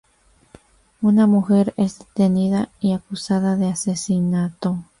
Una mujer es detenida y acusada de asesinato.